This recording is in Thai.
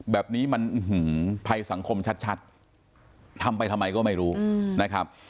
แบบนี้มันอื้อหือภายสังคมชัดชัดทำไปทำไมก็ไม่รู้อืมนะครับ